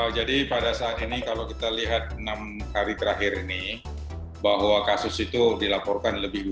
jadi pada saat ini kalau kita lihat enam hari terakhir ini bahwa kasus itu dilaporkan lebih dua